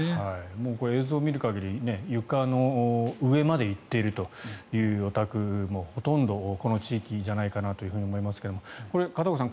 これは映像を見る限り床の上まで行っているというお宅もほとんどこの地域じゃないかと思いますが片岡さん